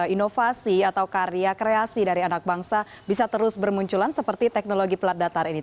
inovasi atau karya kreasi dari anak bangsa bisa terus bermunculan seperti teknologi plat datar ini